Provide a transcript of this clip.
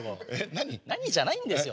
何じゃないんですよ。